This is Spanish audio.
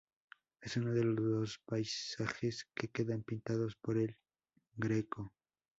Es uno de los dos paisajes que quedan pintados por El Greco.